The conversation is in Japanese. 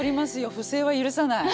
不正は許さない。